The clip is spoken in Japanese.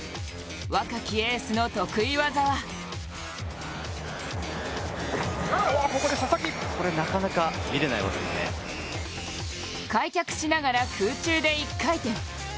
若きエースの得意技は開脚しながら空中で１回転。